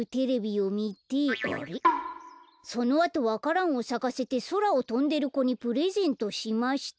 「そのあとわからんをさかせてそらをとんでる子にプレゼントしました」